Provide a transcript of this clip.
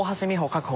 確保。